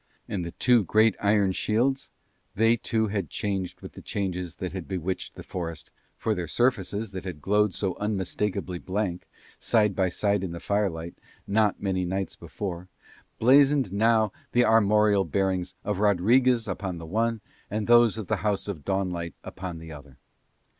And the two great iron shields, they too had changed with the changes that had bewitched the forest, for their surfaces that had glowed so unmistakably blank, side by side in the firelight, not many nights before, blazoned now the armorial bearings of Rodriguez upon the one and those of the house of Dawnlight upon the other.